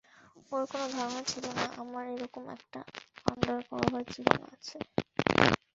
ওর কোনো ধারণা ছিল না আমার এরকম একটা আন্ডারকভার জীবন আছে।